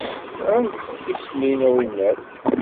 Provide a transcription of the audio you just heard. Nɣant-k tissmin, a winnat.